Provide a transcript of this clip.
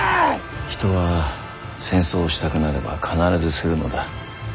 人は戦争をしたくなれば必ずするのだ。